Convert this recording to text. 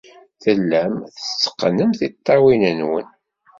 Tellam tetteqqnem tiṭṭawin-nwen.